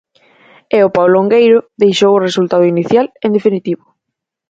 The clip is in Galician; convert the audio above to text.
E o pau longueiro deixou o resultado inicial en definitivo.